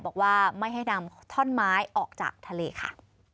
บอกว่าไม่ให้นำท่อนไม้ออกจากทะเลค่ะ